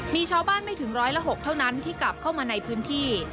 มีชาวบ้านไม่ถึงร้อยละ๖เท่านั้นที่กลับเข้ามาในพื้นที่